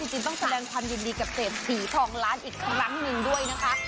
จริงต้องแสดงความยินดีกับเศรษฐีทองล้านอีกครั้งหนึ่งด้วยนะคะ